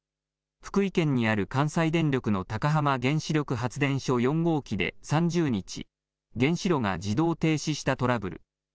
福井県にある関西電力の高浜原子力発電所４号機で３０日、原子炉が自動停止したトラブル。